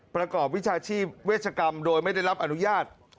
ประกอบวิชาชีพเวชกรรมโดยไม่ได้รับอนุญาต